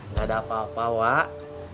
nggak ada apa apa wak